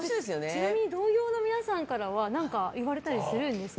ちなみに同業の皆さんからは何か言われたりするんですか？